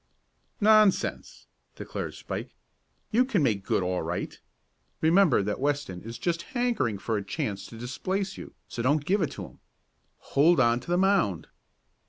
"Nonsense!" declared Spike. "You can make good all right. Remember that Weston is just hankering for a chance to displace you, so don't give it to him. Hold on to the mound."